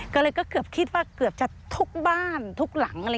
ก็เลยก็เกือบคิดว่าเกือบจะทุกบ้านทุกหลัง